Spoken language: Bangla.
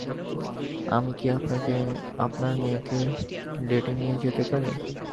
আমি কি আপনার মেয়েকে ডেটে নিয়ে যেতে পারি?